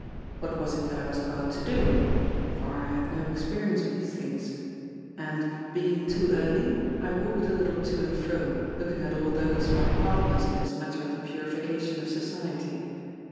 What was it that I was about to do? For I had no experience of these things. And, being too early, I walked a little to and fro, looking at all those my partners in this matter of the purification of Society.